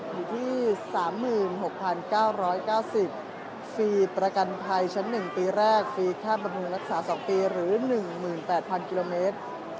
อยู่ที่๓๖๙๙๐ฟรีประกันภัยชั้น๑ปีแรกฟรีค่าประมูลรักษา๒ปีหรือ๑๘๐๐กิโลเมตร